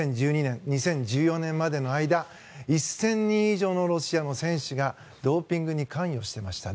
２０１２年から２０１４年までの間１０００人以上のロシアの選手がドーピングに関与していました。